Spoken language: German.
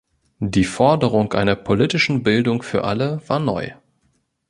Die Forderung einer politischen Bildung für alle war neu.